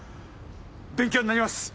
勉強になります！